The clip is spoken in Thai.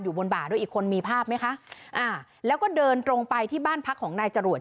บนบ่าด้วยอีกคนมีภาพไหมคะอ่าแล้วก็เดินตรงไปที่บ้านพักของนายจรวด